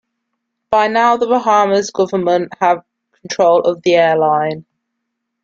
By now the Bahamas Government had control of the Airline.